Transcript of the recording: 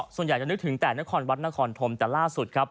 ส่วนใหญ่นึกถึงแต่นครวัฒน์นครธมแต่ล่าสุด